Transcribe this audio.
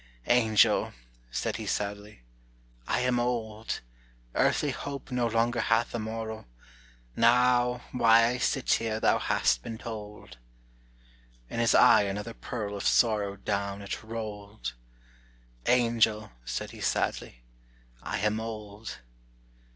"Angel," said he sadly, "I am old; Earthly hope no longer hath a morrow, Now, why I sit here thou hast been told." In his eye another pearl of sorrow, Down it rolled! "Angel," said he sadly, "I am old."